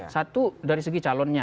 satu dari segi calonnya